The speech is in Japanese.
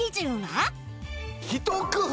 ひと工夫！